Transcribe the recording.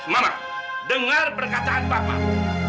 mama dengar perkataan bapak